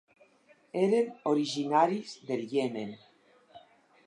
Eren originaris del Iemen.